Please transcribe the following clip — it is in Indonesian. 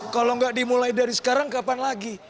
kalau nggak dimulai dari sekarang kapan lagi